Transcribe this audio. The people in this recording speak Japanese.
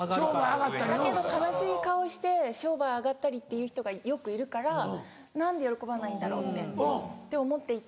だけど悲しい顔して「商売上がったり」って言う人がよくいるから何で喜ばないんだろう？って思っていて。